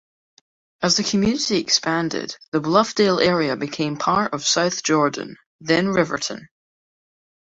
As the community expanded, the Bluffdale area became part of South Jordan, then Riverton.